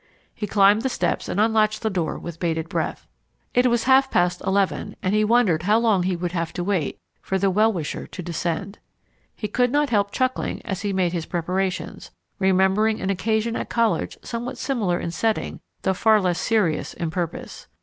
He climbed the steps and unlatched the door with bated breath. It was half past eleven, and he wondered how long he would have to wait for the well wisher to descend. He could not help chuckling as he made his preparations, remembering an occasion at college somewhat similar in setting though far less serious in purpose.